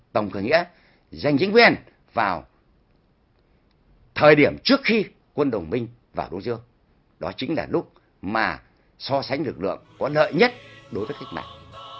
thời điểm trước khi quân đồng minh vào đông dương đó chính là lúc mà so sánh lực lượng có lợi nhất đối với cách mạng